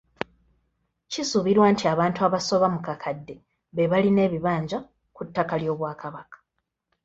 Kisuubirwa nti abantu abasoba mu kakadde be balina ebibanja ku ttaka ly'Obwakabaka.